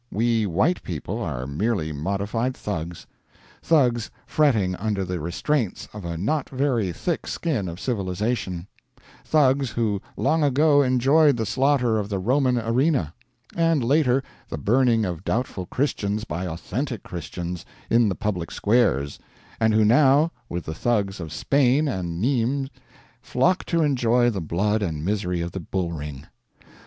We white people are merely modified Thugs; Thugs fretting under the restraints of a not very thick skin of civilization; Thugs who long ago enjoyed the slaughter of the Roman arena, and later the burning of doubtful Christians by authentic Christians in the public squares, and who now, with the Thugs of Spain and Nimes, flock to enjoy the blood and misery of the bullring.